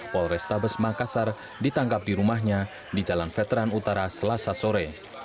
polrestabes makassar ditangkap di rumahnya di jalan veteran utara selasa sore